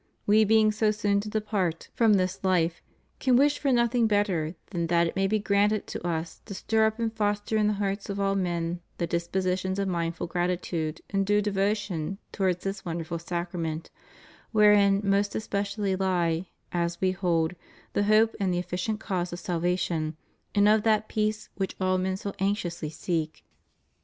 We, being so soon to depart from this ' John vi. 52. THE MOST HOLY EUCHARIST. 519 life, can wish for nothing better than that it may be granted to Us to stir up and foster in the hearts of all men the dis positions of mindful gratitude and due devotion towards this wonderful Sacrament, wherein most especially lie, as We hold, the hope and the efficient cause of salvation and of that peace which all men so anxiously seek.